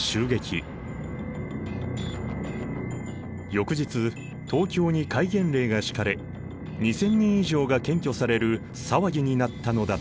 翌日東京に戒厳令が敷かれ２，０００人以上が検挙される騒ぎになったのだった。